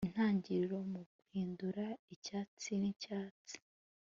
Intangiriro muguhindura icyatsi nicyatsi